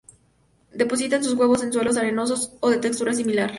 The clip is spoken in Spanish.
Depositan sus huevos en suelos arenosos o de contextura similar.